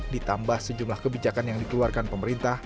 ditambah sejumlah kebijakan yang dikeluarkan pemerintah